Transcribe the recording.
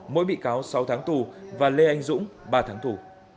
mỗi bị cáo sáu tháng tù và lê anh dũng ba tháng tù